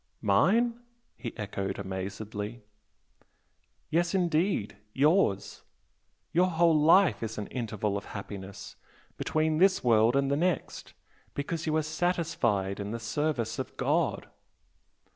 "Mine?" he echoed amazedly. "Yes, indeed! yours! Your whole life is an interval of happiness between this world and the next, because you are satisfied in the service of God!"